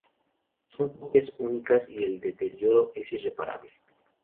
Son copias únicas y el deterioro es irreparable.